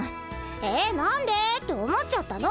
え何でって思っちゃったの！